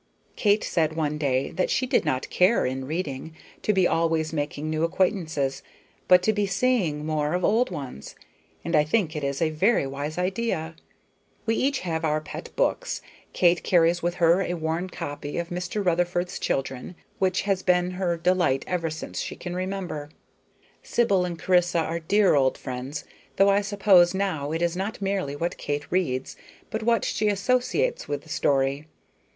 Kate said one day that she did not care, in reading, to be always making new acquaintances, but to be seeing more of old ones; and I think it is a very wise idea. We each have our pet books; Kate carries with her a much worn copy of "Mr. Rutherford's Children," which has been her delight ever since she can remember. Sibyl and Chryssa are dear old friends, though I suppose now it is not merely what Kate reads, but what she associates with the story.